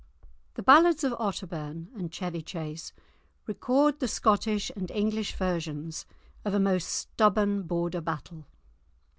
The ballads of Otterbourne and Chevy Chase record the Scottish and English versions of a most stubborn Border battle.